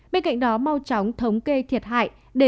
bên cạnh đó mau chóng thống kê thiệt hại